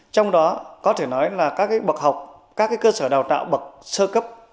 trong đó có thể nói là các bậc học các cơ sở đào tạo bậc sơ cấp